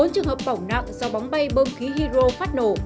bốn trường hợp bỏng nặng do bóng bay bông khí hero phát nổ